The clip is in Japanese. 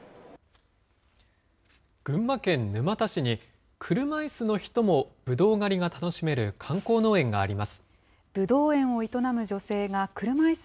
群馬県沼田市に、車いすの人もぶどう狩りが楽しめる観光農園があります。